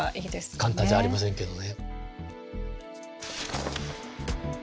簡単じゃありませんけどね。